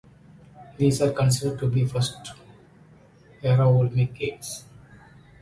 These are considered to be the first Paralympic Games.